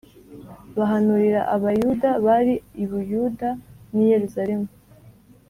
Bahanurira abayuda bari i buyuda n i yerusalemu